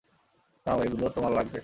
নাও, এগুলো তোমার লাগবে!